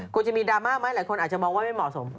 กลัวจะมีดราม่าไหมหลายคนอาจจะมองว่าไม่เหมาะสม